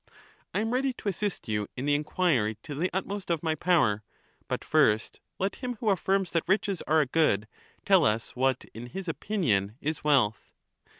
I am ready to assist you in the enquiry to the utmost of my power : but first let him who affirms that riches are a good, tell us what, in his opinion, is wealth.